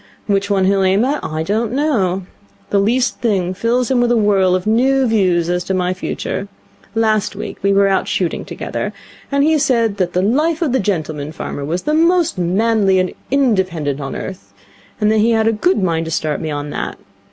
Which one he'll aim at I don't know. The least thing fills him with a whirl of new views as to my future. Last week we were out shooting together, and he said that the life of the gentleman farmer was the most manly and independent on earth, and that he had a good mind to start me on that.